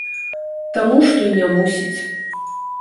Таму што і не мусіць.